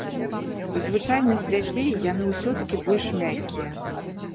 У звычайных дзяцей яны ўсё-такі больш мяккія.